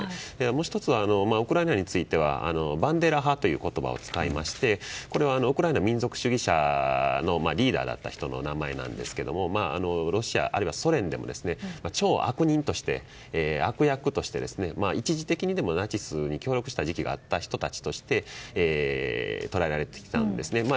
もう１つは、ウクライナについてバンデラ派という言葉を使いこれはウクライナ民族主義者のリーダーだった人の名前ですがロシア、あるいはソ連でも超悪人として、悪役として一時的にでもナチスに協力した時期があった人たちとして捉えられてきたんですね。